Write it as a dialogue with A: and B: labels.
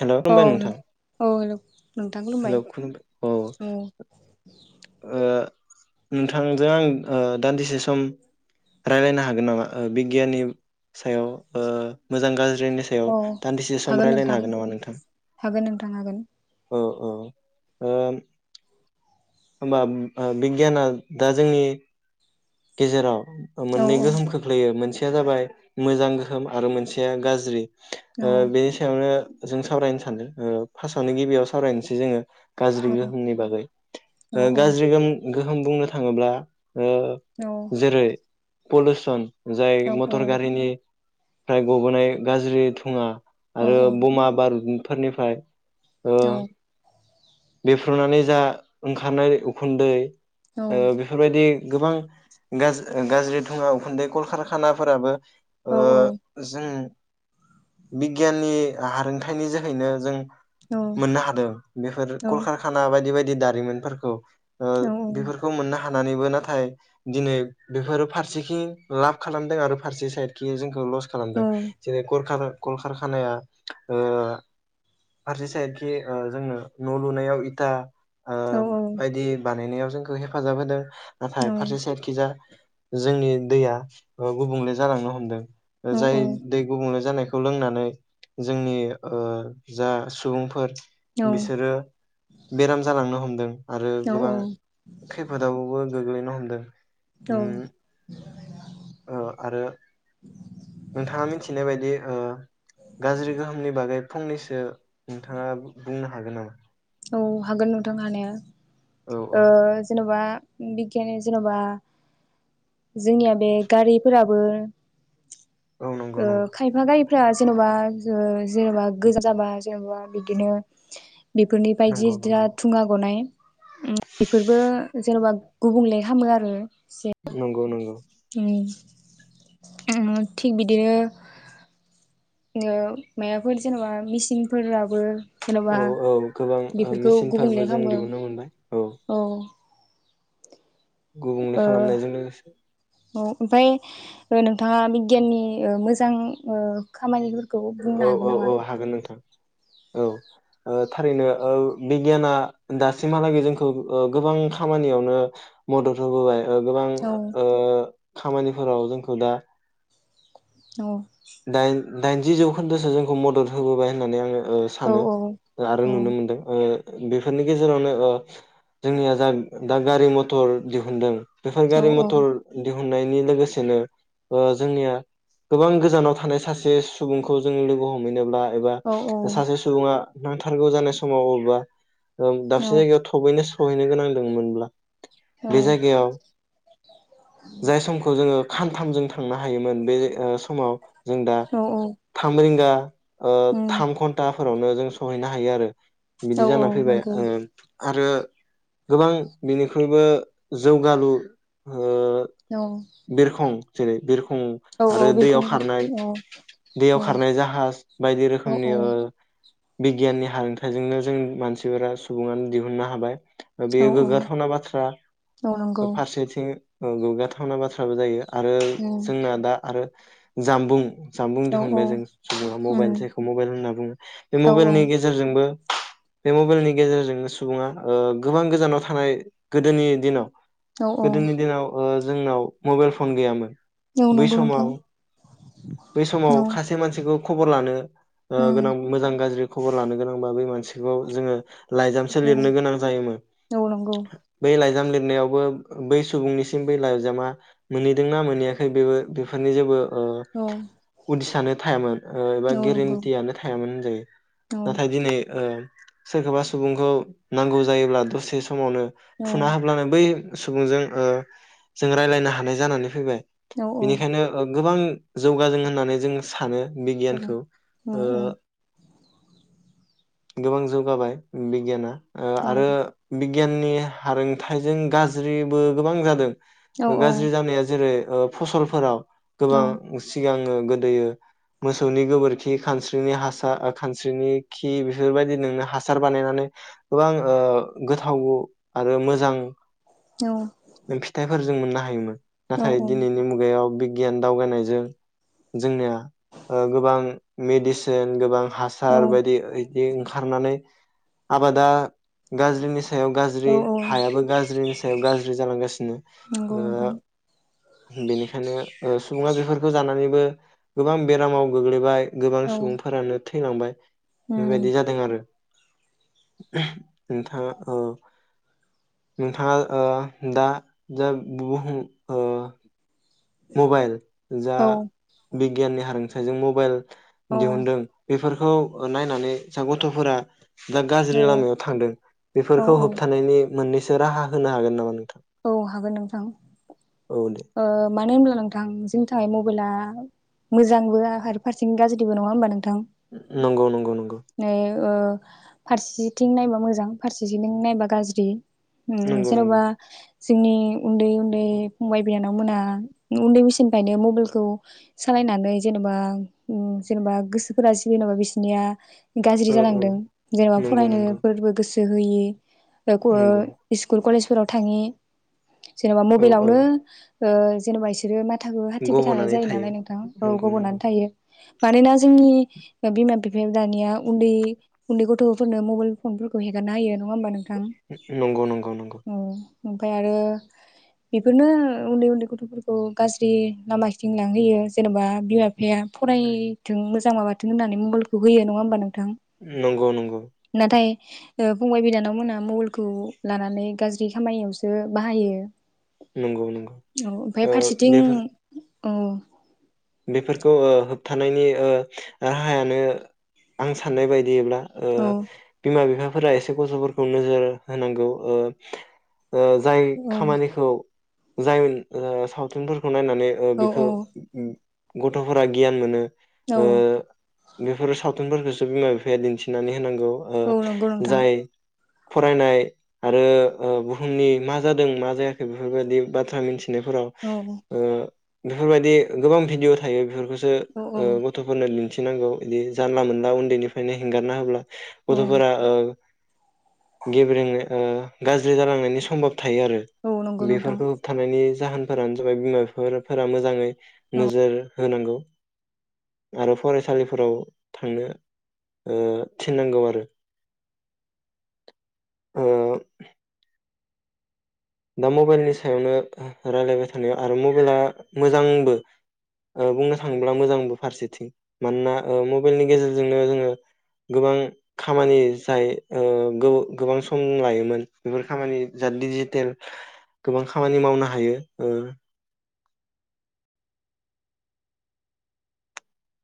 A: हेल'
B: औ
A: खुलुमबाय नोंथां
B: औ हेल' नोंथां खुलुमबाय औ
A: ओ नोंथांजों आं ओ दान्दिसे सम रायलायनो हागोन नामा बिगियाननि सायाव ओ मोजां गाज्रि नि सायाव
B: औ
A: दान्दिसे सम
B: हागोन
A: रायलायनो
B: नोंथां
A: हाग मा नोंथां
B: हागोन नोंथां हागोन।
A: औ औ ओम होमबा ओ बिगियाना दा जोंनि गेजेराव
B: औ
A: मोननै गोहोम खोख्लैयो मोनसे या जाबाय मोजां गोहोम आरो मोनसेया गाज्रि।
B: औ
A: ओ बेनि सायावनो जों सावरायनो सानदों ओ फार्स्टआवनो गिबियाव सावरायनोसै जोङो। गाज्रि गोहोमनि बागै
B: औ
A: ओ गाज्रि गोहोम गोहोम बुंनो थाङोब्ला ओ
B: औ
A: जेरै पलुसन जाय
B: औ
A: मटर गारिनि फ्राय गबो'नाय गाज्रि थुङा
B: औ
A: आरो बमा बारुद फोरनिफ्राय
B: औ
A: बेफ्रुनानै जा ओंखारनाय उखुन्दै
B: औ
A: ओ बेफोर बायदि गोबां गा गाज्रि धुङा उखुन्दै कलकारखानाफोराबो ओ
B: औ
A: जों बिगियाननि हारोंथाइनि जोहैनो जों मोननो हादों बेफोर कल कारखाना बायदि बायदि बिदि दारिमिनफोरखौ ओ बेफोरखौ मोननो हा नानैबो नाथाय दिनै बेफोर फारसेथिं लाब खालामदों आरो फारसे साइदथिं जोंखौ लस खालामदों जेरै गरखार कलकारखानाया ओ फारसे साइडखि ओ जोंनो न' लुनायाव इथा ओ
B: औ
A: बायदि बानायनायाव जोंखौ हेफाजाब होदो नाथाय फारसे साइदखिजा जोंनि दैया ओ गुबुंले जालांनो हमदों ओ जाय दै गुबुंले जानायखौ बेखौ लोंनानै जोंनि ओ जा सुबुंफोर
B: औ
A: बिसोरो बेराम जालांनो हमदों आरो गोबां खैफोदावबो गग्लैनो हमदों।
B: औ
A: ओम
B: औ
A: ओ आरो नोंथाङा मिथिनाय बायदि ओ ओ गाज्रि गोहोमनि बागै फंनैसो नोंथाङा बुंनो हा हागोन नामा
B: औ हागोन नोंथां हानाया
A: औ औ
B: ओ जेन'बा बिगियान जेन'बा जोंनिया बे गारिफोराबो
A: औ नंगौ
B: ओ
A: नंगौ
B: खायफा गाय फोर जेन'बा जेनेबा गोजान जाबा जेन'बा बिदिनो बेफोर बायदि
A: नंगौ
B: दा
A: नंगौ
B: थुङा गनाय ओम बेफोरबो जेन'बा गुबुंले हामो आरो
A: नंगौ नंगौ
B: थिक बिदिनो ओ मायाफोर जेनेबा मेसिनफोराबो
A: औ औ गोबां ओ
B: गुबुंले
A: मेचिनफोरबो जों
B: खालामो
A: दिहुनो मोनबाय औ गुबुंले
B: ओ
A: खालामनायजों लोगोसे
B: औ ओमफ्राय नोंथाङा बिगियाननि ओ मोजां ओ खामानि
A: औ औ औ हागोन नोंथां। औ ओ थारैनो ओ बिगियाना दासिमहालागै जोंखौ ओ गोबां खामानियावनो मदद होबोबाय ओ गोबां
B: औ
A: ओ खामानिफोराव जोंखौ दा
B: औ
A: दाइन दाइनजि जौखोन्दोसो जोंखौ मदद होबोबाय होननानै आङो ओ
B: औ
A: सानो ओ आरो नुनो मोनदों ओ बेफोरनि गेजेरावनो ओ जोंनिया जा दा गारि मथर दिहुनदों। बेफोर
B: औ
A: गारि
B: औ
A: मथर होननायनि लोगोसेनो ओ जोंनिया गोबां गोजानाव थानाय सासे सुबुंखौ जों लोगो हमहैनोब्ला एबा
B: औ
A: सासे सुबुङा नांथारगौ जानाय समाव अबेबा ओ
B: औ
A: दाबसे जायगायाव थबैनो सहैनो गोनां दोंमोनब्ला
B: औ
A: बे जायगायाव जाय समखौ जोङो खानथामजों थांनो हायोमोन बे ओ समाव जों दा
B: औ
A: थाम रिंगा ओ
B: उम
A: थाम घन्टा फोरावनो जों सहैनो हायो आरो
B: औ
A: बिदि
B: औ
A: जाना फैबाय
B: नंगौ
A: ओ आरो गोबां बिनिख्रुइबो जौगालु ओ
B: औ
A: बिरखं। जेरै बिर उम
B: औ
A: आरो
B: औ
A: दैयाव खारनाय
B: बिरखंगासिनो औ
A: दैयाव खारनाय जाहाज बायदि
B: औ
A: रोखोमनि ओ बिगियाननि हारोंथाइजोंनो जों मानसिफोरा सुबुङानो दिहुननो हाबाय। ओ
B: औ
A: बेयो
B: औ
A: गोग्गाथावना बाथ्रा
B: औ नंगौ
A: फारसेथिं औ गोग्गाथा थावना बाथ्राबो जायो। आरो
B: उम
A: जोंना दा आरो जामबुं जानबुं
B: औ औ
A: दिहुनबाय जों सुबुङा
B: उम
A: मबाइल जायखौ मबाइल होनना बुङो बे
B: औ
A: मबाइलनि गेजेरजोंबो बे मबेलनि गेजेरजोंनो सुबुङा ओ गोबां गोजानाव थानाय गोदोनि दिनाव
B: औ औ
A: गोदोनि दिनाव ओ जोंनाव मबाइल फन गैयामोन।
B: औ
A: बै
B: नंगौ नोंथां।
A: समाव बै समाव
B: औ
A: खासे मानसिखौ खबर लानो ओ गोनां
B: उम
A: मोजां गाज्रि खबर लानो गोनांबा बै मासिखौ जोङो लाइजामसो लिरनो गोनां जायोमोन।
B: औ नंगौ
A: बै लाइ जाम लिरनायावबो बै सुबुंनिसिम बै लाइजामा मोनहैदोंना मोनहैयाखै बेयो बेफोरनि जेबो ओ
B: औ
A: उदिसानो थायामोन ओ एबा
B: औ नंगौ
A: गेरेन्टियानो थायामोन। जायो।
B: औ
A: नाथाय दिनै ओ सोरखौबा सुबुंखौ नांगौ जायोब्ला दसे स समावनो
B: औ
A: फुना होब्लानो बै सुबुंजों ओ जों रायलायनो हानाय जानानै फैबाय।
B: औ औ
A: बिनिखायनो ओ गोबां जौगाजों होननानै जों सानो। बिगियानखौ ओ गोबां जौगाबाय बिगियाना। ओ आरो बि गियाननि हारोंथाइजों गाज्रिबो गोबां जादों।
B: औ
A: गाज्रि जानाया जेरै ओ फसलफोराव गोबां सिगाङो गोदोयो‌ मोसौनि गोबोरखि खानस्रिनि हासार आ खानस्रिनि खि बेफोरबायदि नोंनो हासार बानायनानै गोबां ओ गोथाव आरो मोजां फिथाइफोरजों मोननो हा हायोमोन। नाथाय दिनैनि मुगायाव बि गियान दावगानाय जों जोंनिया ओ गोबां मेदिसिन गोबां
B: औ
A: हासार
B: औ
A: बायदि बियो ओंखारनानै आबादा गाज्रिनि सायाव गाज्रि हायाबो गाज्रिनि सायाव गाज्रि जालांगासिनो
B: नंगौ नोंथां
A: ओ बेनिखायनो अ सुबुङा बेफोर खौ जानानैबो गोबां बेरामाव गोग्लैबाय। गोबां
B: औ
A: सुबुंफोरानो थैलांबाय
B: उम
A: बेबायदि जादों आरो नोंथाङा ओ नोंथाङा ओ दा दा बुहुम ओ मबाइल जा बिगियाननि हारोंथायजों मबाइल
B: औ
A: दिहुनदों बेफोर खौ अ नायनानै जा गथ'फोरा दा
B: औ
A: गाज्रि लामायाव थांदों
B: औ
A: बेफोरखौ
B: औ
A: होबथानायनि मोननैसो राहा होनो हागोन नामा नों?
B: औ हागोन नोंथां
A: औ दे
B: मानो ओ होनब्ला नों नोंथां जोंनि थाखाय मबाइला मोजांबो आरो फारसेथिं गाज्रिबो नङा होनबा? नों
A: नंगौ नंगौ नंगौ।
B: ओ फारसेथिं नायबा मोजां फारसेथिं नायबा गाज्रि। उम
A: नंगौ नंगौ
B: जेन'बा जोंनि उन्दै उन्दै फंबाय बिनानावमोना उन्दै बैसोनिफ्रायनो मबाइलखौ सालायनानै जेनेबा उ जेनेबा गोसोफोरा जेनेबा बिसोरनिया गाज्रि
A: औ औ
B: जालांदों जेनेबा
A: नंगौ नंगौ
B: फरायनोफोरबो गोसो [unintelligible] होयि ओ
A: नंगौ
B: क-इस्कुल, कलेज राव थाङि जेनेबा
A: औ
B: मबाइलावनो
A: औ
B: ओ जेनेबा बिसोरो मा आथाखौ हाथिबाय थानाय
A: गब'नानै
B: जायो
A: थायो
B: नालाय नोंथां औ
A: नंगौ नंगौ
B: गब'नानै थायो थ मानोना जोंनि बिमा बिफाया दानिया उन्दै उन्दै गथ'फोरनो मबाइल फनफोरखौ हेगारना होयो नङा होमबा नों
A: नंगौ नंगौ नंगौ
B: ओमफ्राय आरो बेफोरनो उन्दै उन्दै गथ'फोरखौ गाज्रि लामा खिथिं लांहयो जेनेबा बिमा बिफाया फरायथों मोजां माबाथों होननानै मबाइलखौ होयो नङा होमबा नों
A: नंगौ नंगौ
B: फंबाय बिदानाव मोना मबाइलखौ लानानै गाज्रि खामानियावसो ओ बाहायो
A: नंगौ नंगौ
B: ब औ ओमफाय
A: ओ
B: फारसेथिं
A: बेफोर
B: औ
A: बेफोरखौ ओ होबथानायनि ओ राहायानो आं साननाय बायदियैब्ला ओ
B: औ
A: बिमा बिफा फोरा एसे गथ'फोरखौ नोजोर होनांगौ औ ओ जाय खामानिखौ जाय ओ सावथुनफोर नायनानै ओ
B: औ
A: बेखौ
B: औ
A: ब गथ'फोरा गियान मोनो
B: औ
A: ओ बेफोर साव सावथुनफोरखौसो बिमा बिफाया दिन्थिनानै होनांगौ ओ
B: औ नंगौ नोंथां
A: जाय फरायनाय आरो ओ बुहुमनि मा जादों मा जायाखै बेफोरबायदि बाथ्रा मिथि फरायनायफोराव
B: औ
A: ओ बेफोरबायदि गोबां भिडिअ' थायो बेफोरखौ
B: औ
A: ओ गथ'फोरनो दिनथि फिनांगौ बिदि जानला मोनला उन्दैनिफ्रायनो हेंगारना होब्ला
B: औ
A: गथ'फोरा ओ गेब्रेंनाय ओ गाज्रि जालांनायनि सम्भाब थायो आरो
B: औ नंगौ नोंथां
A: बेफोरखौ होबथानायनि जाहोनफोरानो जाबाय बिमा बिफाफोरा मोजाङै
B: औ
A: नोजोर होनांगौ आरो फरायसालिफोराव थांनो ओ थिननांगौ आरो दा मबाइलनि सायावनो ओ रायलायबाय थानायाव आरो मबाइला मोजांबो ओ बुंनो थाङोब्ला मोजांबो फारसेथिं मानोना ओ मबाइलनि गेजेरजोंनो जोङो गोबां खामानि जाय ओ गोबां सम लायोमोन बेफोर खामानि जा दिडजिटेल गोबां खामानि मावनो हायो ओ